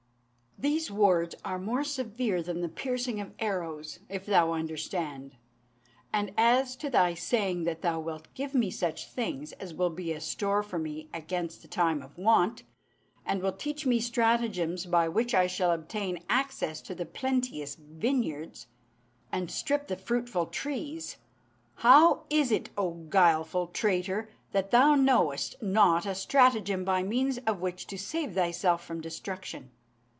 These words are more severe than the piercing of arrows, if thou understand. And as to thy saying that thou wilt give me such things as will be a store for me against the time of want, and will teach me stratagems by which I shall obtain access to the plenteous vineyards and strip the fruitful trees how is it, O guileful traitor! that thou knowest not a stratagem by means of which to save thyself from destruction?